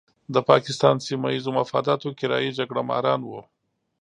د پاکستان سیمه ییزو مفاداتو کرایي جګړه ماران وو.